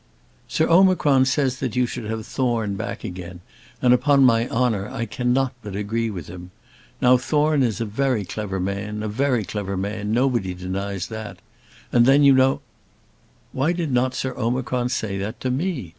"Sir Omicron says that you should have Thorne back again, and upon my honour, I cannot but agree with him. Now, Thorne is a clever man, a very clever man; nobody denies that; and then, you know " "Why did not Sir Omicron say that to me?"